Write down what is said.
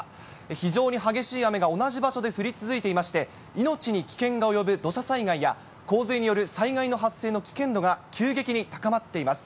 非常に激しい雨が同じ場所で降り続いていまして、命に危険が及ぶ土砂災害や洪水による災害の発生の危険度が、急激に高まっています。